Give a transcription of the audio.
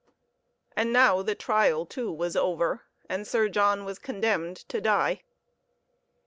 And now the trial, too, was over, and Sir John was condemned to die.